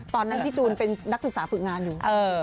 ตอนนั้นพี่จูนเป็นนักศึกษาฝึกงานอยู่